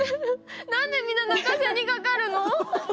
何でみんな泣かせにかかるの？